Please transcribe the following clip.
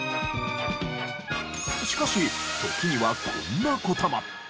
しかし時にはこんな事も。